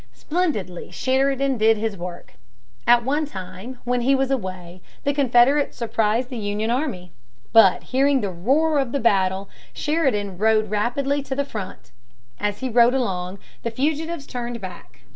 Splendidly Sheridan did his work. At one time, when he was away, the Confederates surprised the Union army. But, hearing the roar of the battle, Sheridan rode rapidly to the front. As he rode along, the fugitives turned back.